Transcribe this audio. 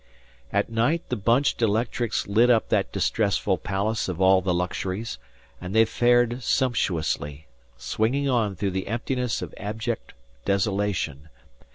At night the bunched electrics lit up that distressful palace of all the luxuries, and they fared sumptuously, swinging on through the emptiness of abject desolation.